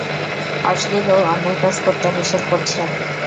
অশ্লীল ও অন্যায় কাজ করতে নিষেধ করছেন।